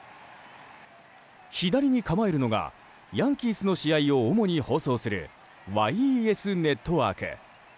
左に構えるのがヤンキースの試合を主に放送するＹＥＳネットワーク。